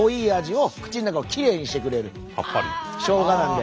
しょうがなので。